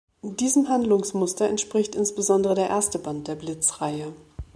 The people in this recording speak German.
Diesem Handlungsmuster entspricht insbesondere der erste Band der Blitz-Reihe.